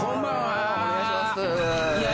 お願いします。